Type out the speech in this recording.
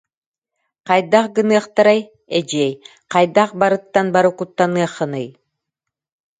Хайдах гыныахтарай, эдьиэй, хайдах барыттан бары куттаннаххыный